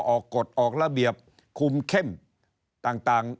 กฎออกระเบียบคุมเข้มต่าง